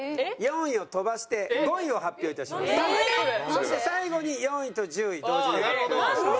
そして最後に４位と１０位同時に発表いたします。